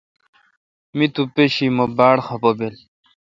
می تو پیشی مہ باڑ خوشال بل۔